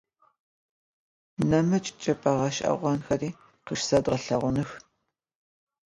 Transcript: Nemıç' çç'ıp'e ğeş'eğonxeri khışsodğelheğunıx.